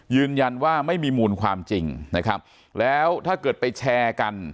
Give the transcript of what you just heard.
ยืนยันว่าไม่มีมูลความจริงนะครับแล้วถ้าเกิดไปแชร์กัน